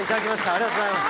ありがとうございます。